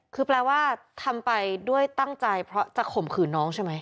คือแปลว่าทำไปด้วยตั้งใจเพราะจะข่มขืนน้องใช่ไหม